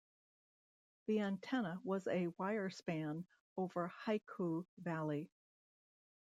The antenna was a wire span over Haiku Valley.